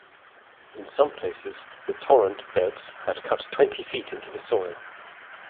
In some places the torrent beds had cut twenty feet into the soil.